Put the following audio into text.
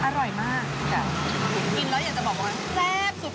อร่อยมาก